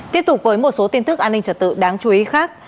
tiếp tục với một số tin tức an ninh trật tự đáng chú ý khác